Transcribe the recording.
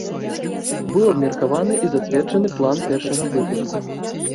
Быў абмеркаваны і зацверджаны план першага выпуску.